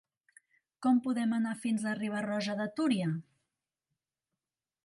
Com podem anar fins a Riba-roja de Túria?